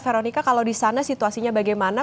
veronica kalau di sana situasinya bagaimana